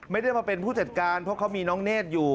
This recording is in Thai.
ไม่ได้มาเป็นผู้จัดการเพราะเขามีน้องเนธอยู่